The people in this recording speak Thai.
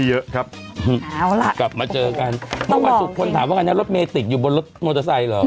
เอาล่ะกลับมาเจอกันต้องบอกคนถามว่าอันนี้รถเมติกอยู่บนรถมอเตอร์ไซค์หรอ